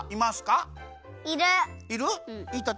いる。